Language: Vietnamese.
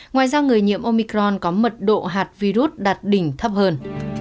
ngoài ra người nhiễm omicron có mật độ hạt virus đạt đỉnh thấp hơn